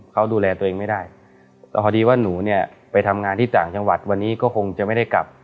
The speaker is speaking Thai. เขาดูแลตัวเองไม่ได้พอดีว่าหนูเนี่ยไปทำงานที่ต่างจังหวัดวันนี้ก็คงจะไม่ได้กลับ